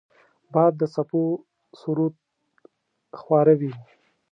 باد د څپو سرود خواره وي